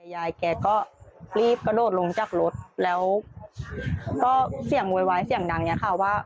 ยายแกก็รีบกระโดดลงจากรถแล้วก็เสียงโวยวายเสียงดังเนี่ยค่ะว่า